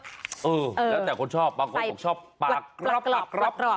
แล้วแต่คนชอบของคนไม่ชอบปลากรอบ